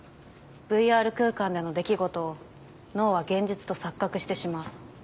ＶＲ空間での出来事を脳は現実と錯覚してしまう。